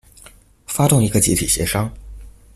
發動一個集體協商